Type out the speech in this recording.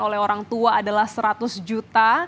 oleh orang tua adalah seratus juta